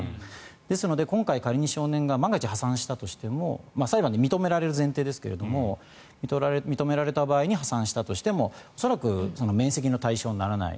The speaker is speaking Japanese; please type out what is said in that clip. ですので、今回仮に少年が万が一破産したとしても裁判で認められる前提ですが認められた場合に破産したとしても恐らく免責の対象にならない。